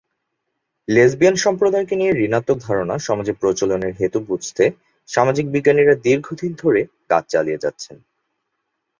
Lesbian সম্প্রদায়কে নিয়ে ঋণাত্মক ধারণা সমাজে প্রচলনের হেতু বুঝতে সামাজিক বিজ্ঞানীরা দীর্ঘদিন ধরে কাজ চালিয়ে যাচ্ছেন।